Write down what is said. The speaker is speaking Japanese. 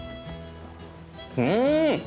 うん！